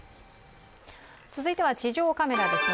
続いては、地上カメラですね。